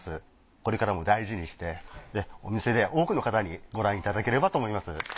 これからも大事にしてお店で多くの方にご覧いただければと思います。